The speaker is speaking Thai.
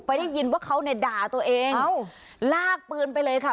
ไปได้ยินว่าเขาในด่าตัวเองเอ้าลากปืนไปเลยค่ะ